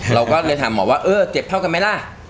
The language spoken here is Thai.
เราก็เลยถามหมอว่าเออเจ็บเท่ากันไหมล่ะ